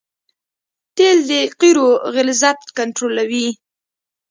تیل د قیرو غلظت کنټرولوي